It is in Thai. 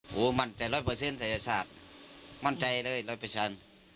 มั่นใจร้อยเปอร์เซ็นศัยศาสตร์มั่นใจเลยร้อยเปอร์เซ็นต์